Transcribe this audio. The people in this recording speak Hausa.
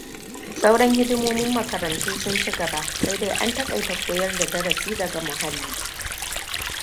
Sauran hidimomin makaruntu sun cigaba sai dai an takaita koyar da darasi daga muhalli.